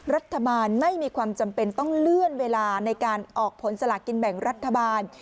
รัฐบาลไม่มีความจำเป็นต้องเลื่อนเวลาในการออกผลสลากินแบ่งรัฐบาล